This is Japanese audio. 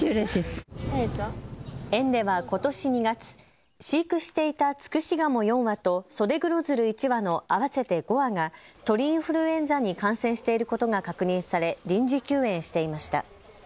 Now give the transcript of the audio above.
園ではことし２月、飼育していたツクシガモ４羽とソデグロヅル１羽の合わせて５羽が鳥インフルエンザに感染していることが確認され臨時休園していました。